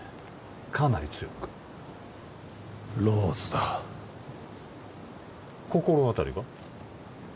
かなり強くローズだ心当たりが？